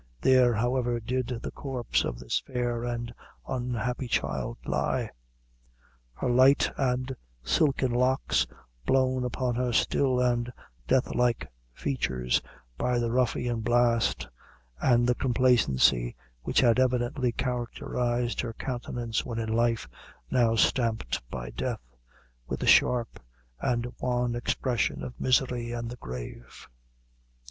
There, however, did the corpse of this fair and unhappy child lie; her light and silken locks blown upon her still and death like features by the ruffian blast, and the complacency which had evidently characterized her countenance when in life, now stamped by death, with the sharp and wan expression of misery and the grave.